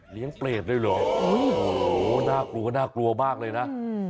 เลี้ยงเปรตได้หรอโหน่ากลัวมากเลยนะ